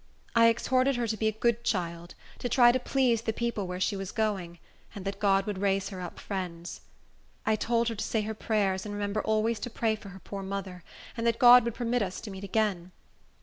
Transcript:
I exhorted her to be a good child, to try to please the people where she was going, and that God would raise her up friends. I told her to say her prayers, and remember always to pray for her poor mother, and that God would permit us to meet again.